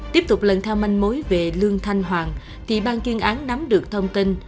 tiếp tục lần theo manh mối về lương thanh hoàng thì bang chuyên án nắm được thông tin